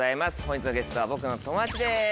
本日のゲストは僕の友達です。